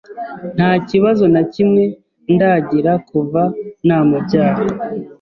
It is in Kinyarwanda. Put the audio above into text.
nta kibazo na kimwe ndagira kuva namubyara.